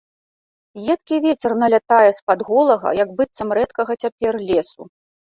Едкі вецер налятае з-пад голага, як быццам рэдкага цяпер, лесу.